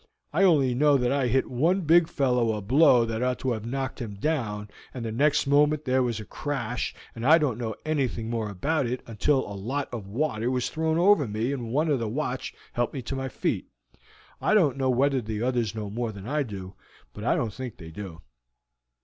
I only know that I hit one big fellow a blow that ought to have knocked him down, and the next moment there was a crash, and I don't know anything more about it until a lot of water was thrown over me and one of the watch helped me to my feet. I don't know whether the others know more than I do, but I don't think they do."